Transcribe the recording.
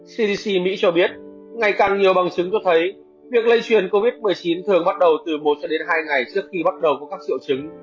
cdc mỹ cho biết ngày càng nhiều bằng chứng cho thấy việc lây truyền covid một mươi chín thường bắt đầu từ một cho đến hai ngày trước khi bắt đầu có các triệu chứng